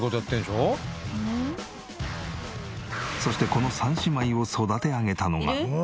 そしてこの三姉妹を育て上げたのが。